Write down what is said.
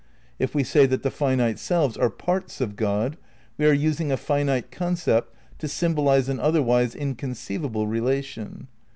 If we say that the finite selves are "parts" of God we are using a finite concept to symbolize an otherwise inconceivable relation.